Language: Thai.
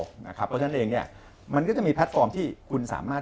เพราะฉะนั้นเองมันก็จะมีแพลตฟอร์มที่คุณสามารถ